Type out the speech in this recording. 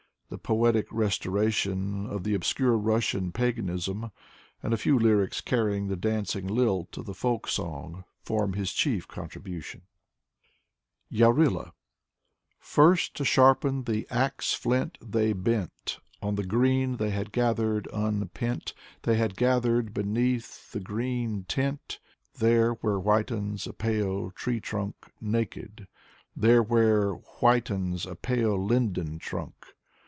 The poetic restoration of the obscure Russian pagan ism, and a few lyrics carrying the dancing lilt of the folk song, form his chief contribution. 146 Sergey Gorodefzky 147 YARILA ^ First to sharpen the ax flint they bent, On the green they had gathered, unpent, They had gathered beneath the green tent. There where whitens a pale tree trunk, naked. There where whitens a pale linden trunk.